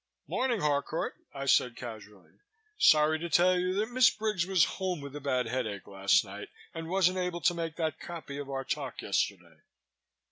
"Morning, Harcourt," I said casually. "Sorry to tell you that Miss Briggs was home with a bad headache last night and wasn't able to make that copy of our talk yesterday."